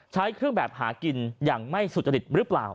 ใช้เครื่องแบบหากินอย่างไม่สุจริตหรือเปล่า